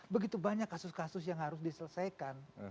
begitu banyak kasus kasus yang harus diselesaikan